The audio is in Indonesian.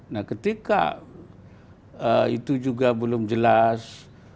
nah ketika itu juga belum jelas